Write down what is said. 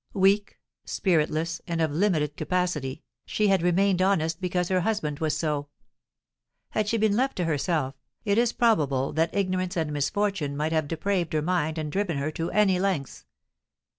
Weak, spiritless, and of limited capacity, she had remained honest because her husband was so; had she been left to herself, it is probable that ignorance and misfortune might have depraved her mind and driven her to any lengths.